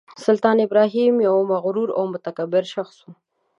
سلطان ابراهیم یو مغرور او متکبر شخص و.